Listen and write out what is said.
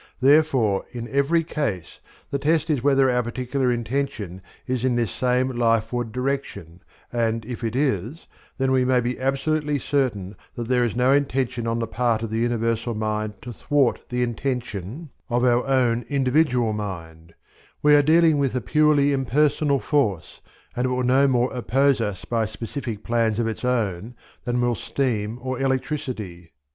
Therefore in every case the test is whether our particular intention is in this same lifeward direction: and if it is, then we may be absolutely certain that there is no intention on the part of the Universal Mind to thwart the intention of our own individual mind; we are dealing with a purely impersonal force, and it will no more oppose us by specific plans of its own than will steam or electricity.